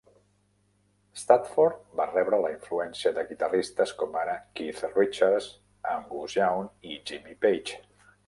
Stafford va rebre la influència de guitarristes com ara Keith Richards, Angus Young i Jimmy Page.